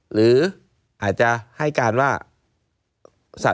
หรืออาจจะให้การว่า